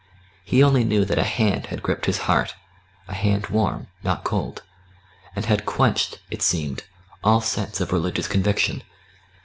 He only knew that a hand had gripped his heart a hand warm, not cold and had quenched, it seemed, all sense of religious conviction.